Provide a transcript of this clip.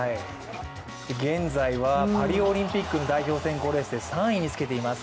現在はパリオリンピックの代表選考レースで３位につけています。